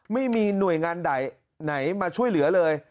ไม่มีหน่วยงานใดไหนมาช่วยเหลือเลย